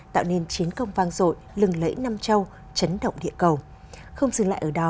tạo nên chiến công văn hóa